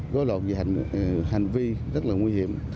gối loạn về hành vi rất là nguy hiểm